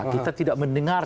kita tidak mendengar